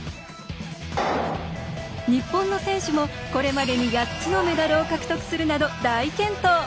日本の選手も、これまでに８つのメダルを獲得するなど大健闘。